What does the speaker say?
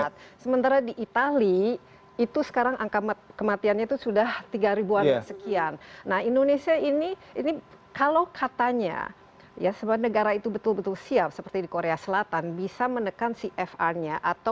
terima kasih pak t duct